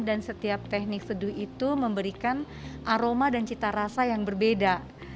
dan setiap teknik seduh itu memberikan aroma dan cita rasa yang berbeda